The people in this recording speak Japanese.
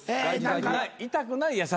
痛くない。